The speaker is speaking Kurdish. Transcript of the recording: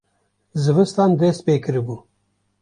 zivistan dest pê kiribû